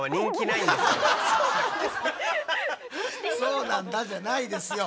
「そうなんだ」じゃないですよ。